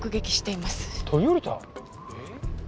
えっ？